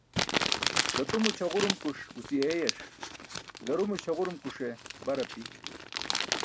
Datumo ćʰaġurumkuṣ guci eeyas, garumo ćʰaġurumkuṣe bar api.